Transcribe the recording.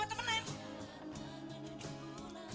apa cuma temen lain